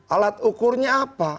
alat ukurnya apa